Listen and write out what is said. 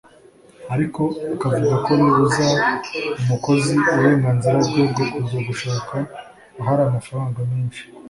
ariko akavuga ko bibuza umukozi uburenganzira bwe bwo kujya gushaka ahari amafaranga menshi